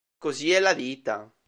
Così è la vita".